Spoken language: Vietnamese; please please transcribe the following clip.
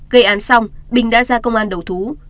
gây án xong bình đã ra công an đầu thú